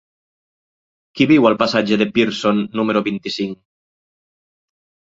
Qui viu al passatge de Pearson número vint-i-cinc?